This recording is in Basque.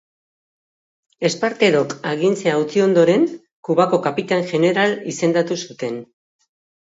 Esparterok agintea utzi ondoren, Kubako kapitain jeneral izendatu zuten.